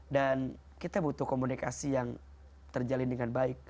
dan kita butuh komunikasi yang terjalin dengan baik